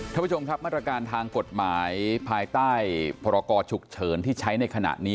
ท่านผู้ชมครับมาตรการทางกฎหมายภายใต้ปรากฎฉุกเฉินที่ใช้ในขณะนี้